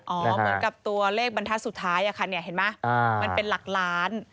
เหมือนกับตัวเลขบรรทัศน์สุดท้ายค่ะเห็นไหมมันเป็นหลักล้าน